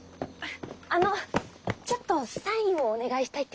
あのちょっとサインをお願いしたいって人が。